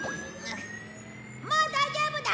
もう大丈夫だ。